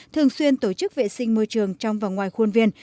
thường xuyên tổ chức vệ sinh môi trường trong và ngoài khuôn viên